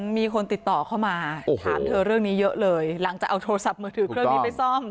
มีคนติดต่อเข้ามาถามเธอเรื่องนี้เยอะเลยหลังจากเอาโทรศัพท์มือถือเครื่องนี้ไปซ่อม